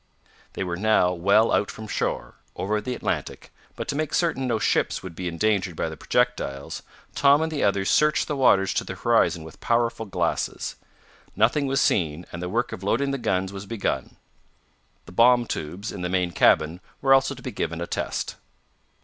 They were now well out from shore, over the Atlantic, but to make certain no ships would be endangered by the projectiles, Tom and the others searched the waters to the horizon with powerful glasses. Nothing was seen and the work of loading the guns was begun. The bomb tubes, in the main cabin, were also to be given a test.